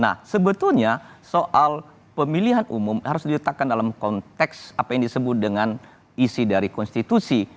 nah sebetulnya soal pemilihan umum harus diletakkan dalam konteks apa yang disebut dengan isi dari konstitusi